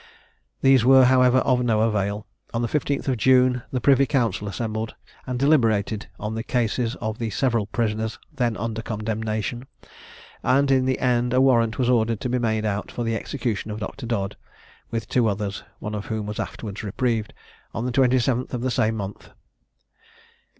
These were, however, of no avail. On the 15th of June the privy council assembled, and deliberated on the cases of the several prisoners then under condemnation; and in the end a warrant was ordered to be made out for the execution of Dr. Dodd, with two others (one of whom was afterwards reprieved), on the 27th of the same month.